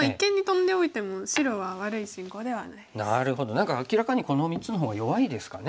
何か明らかにこの３つの方が弱いですかね。